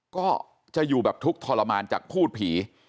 ก็จะอยู่แบบทุกข์ทรมานจากพูดผี